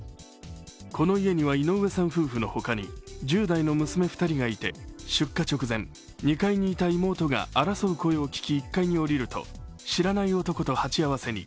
この家には井上さん夫婦の他に１０代の娘２人がいて出火直前、２階にいた妹が争う声を聞き１階に下りると知らない男と鉢合わせに。